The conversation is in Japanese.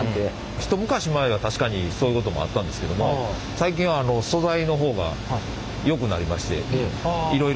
一昔前は確かにそういうこともあったんですけども最近は素材の方が良くなりましていろいろ種類用意しておりますので。